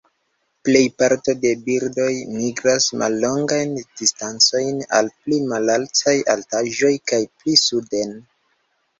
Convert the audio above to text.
Plej parto de birdoj migras mallongajn distancojn al pli malaltaj altaĵoj kaj pli suden.